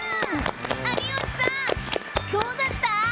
有吉さん、どうだった？